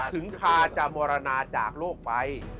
ถึงคาจะมรณาจากโลกไป